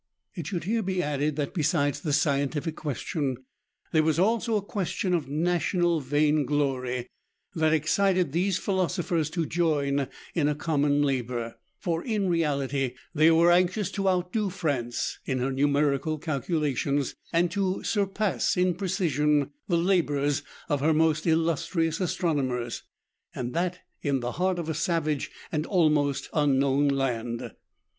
It should here be added, that besides the scientific question, there was also a question of national vainglory that excited these philosophers to join in a common labour; for, in reality, they were anxious to out do France in her numerical calculations, and to surpass in precision the labours of her most illustrious astronomers, and that in the heart of a savage and almost unknown land.